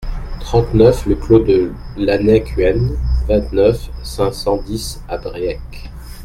trente-neuf le Clos de Lannec'huen, vingt-neuf, cinq cent dix à Briec